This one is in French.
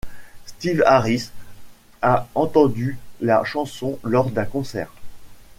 Steve Harris a entendu la chanson lors d'un concert.